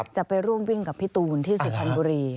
จะไปร่วมวิ่งกับพี่ตูนที่สิทธิ์พันบุรี